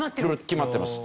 決まってます。